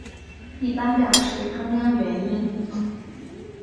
一般表示中央元音。